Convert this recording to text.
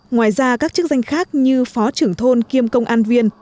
ngoài ra các chức danh khác như phó trưởng thôn kiêm công an viên